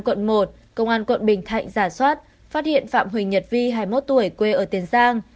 quận một công an quận bình thạnh giả soát phát hiện phạm huỳnh nhật vi hai mươi một tuổi quê ở tiền giang